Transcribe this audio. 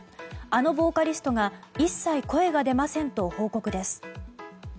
あのボーカリストが一切声が出ませんと報告です。